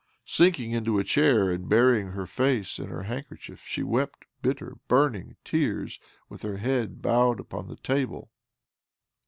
Sinking into a chair, and burying her face in her handkerchief, she wept bitter, burning tears, with her head bowed upon the table.